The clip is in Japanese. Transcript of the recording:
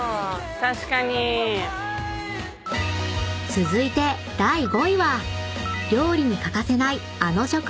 ［続いて第５位は料理に欠かせないあの食材］